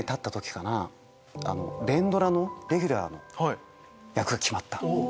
連ドラのレギュラーの役が決まった。